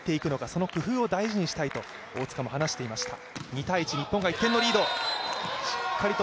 その工夫を大事にしたいと大塚も話していました。